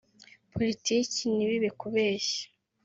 politiki ntibibe kubeshya